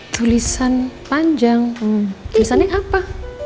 tulisan panjang tulisannya apa